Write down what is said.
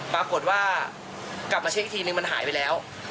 ปรากฏว่ากลับมาเช็คอีกทีนึงมันหายไปแล้ว